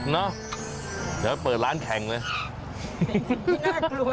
เดี๋ยวเราเอาไปเปิดล้านแข่งไหม